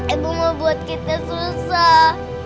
itu mau buat kita susah